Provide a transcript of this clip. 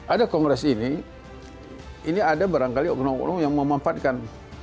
ada kongres ini ini ada barangkali oknum oknum yang memanfaatkan